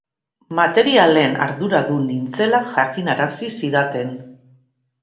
Materialen arduradun nintzela jakinarazi zidaten.